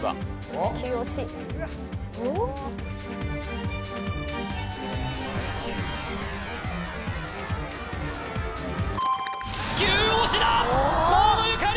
地球押しだ河野ゆかり